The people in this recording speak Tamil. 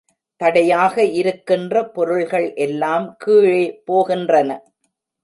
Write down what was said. தடையாக இருக்கின்ற பொருள்கள் எல்லாம் கீழே போகின்றன.